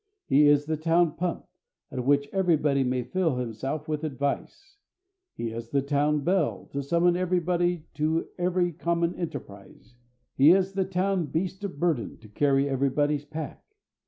He is the town pump, at which everybody may fill himself with advice. He is the town bell, to summon everybody to every common enterprise. He is the town beast of burden, to carry everybody's pack.